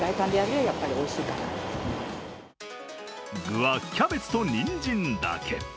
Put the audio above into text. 具はキャベツとにんじんだけ。